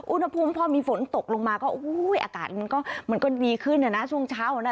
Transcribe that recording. อุณหภูมิพอมีฝนตกลงมาก็อากาศมันก็มันก็ดีขึ้นนะช่วงเช้านะ